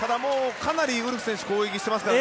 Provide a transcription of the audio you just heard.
かなりウルフ選手攻撃してますから。